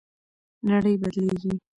نړۍ بدلیږي.